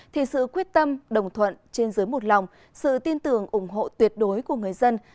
thì sự quyết tâm đồng thuận trên giới một lòng sự tin tưởng ủng hộ tuyệt đối của người dân